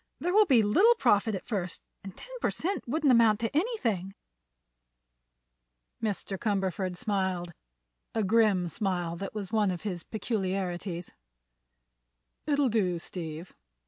"There will be little profit at first, and ten per cent of it wouldn't amount to anything." Mr. Cumberford smiled—a grim smile that was one of his peculiarities. "It'll do, Steve.